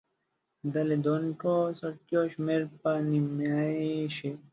د لیدونکو څوکیو شمیر به نیمایي شي.